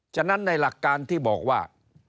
ฉะนั้นในหลักการที่บอกว่า